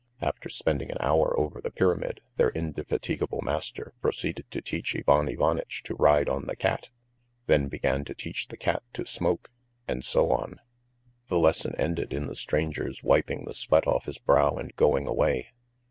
After spending an hour over the pyramid their indefatigable master proceeded to teach Ivan Ivanitch to ride on the cat, then began to teach the cat to smoke, and so on. The lesson ended in the stranger's wiping the sweat off his brow and going away.